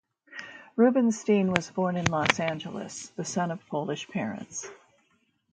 Rubinstein was born in Los Angeles, the son of Polish parents.